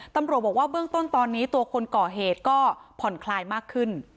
ตำรวจบอกว่าเบื้องต้นตอนนี้ตัวคนก่อเหตุก็ผ่อนคลายมากขึ้น